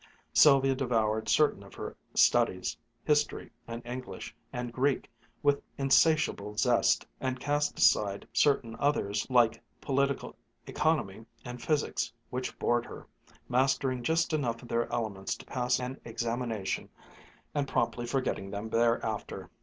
Sylvia devoured certain of her studies, history, and English, and Greek, with insatiable zest and cast aside certain others like political economy and physics, which bored her, mastering just enough of their elements to pass an examination and promptly forgetting them thereafter.